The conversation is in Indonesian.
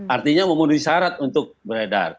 artinya memenuhi syarat untuk beredar